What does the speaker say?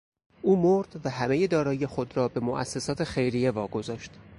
او مرد وهمهی دارایی خود را به موسسات خیریه واگذاشت.